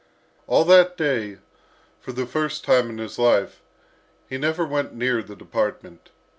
All that day, for the first time in his life, he never went near the department.